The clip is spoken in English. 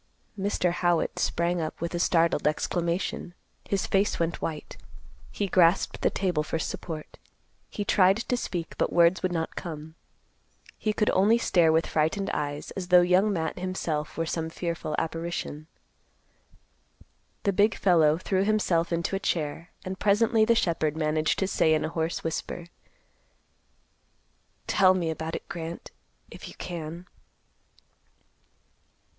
Mr. Howitt sprang up with a startled exclamation. His face went white. He grasped the table for support. He tried to speak, but words would not come. He could only stare with frightened eyes, as though Young Matt himself were some fearful apparition. The big fellow threw himself into a chair, and presently the shepherd managed to say in a hoarse whisper, "Tell me about it, Grant, if you can."